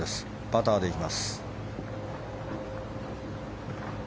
パターでいきます。